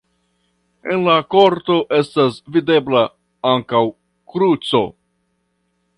En la korto estas videbla ankaŭ kruco.